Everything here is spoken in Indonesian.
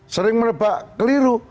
sering menebak keliru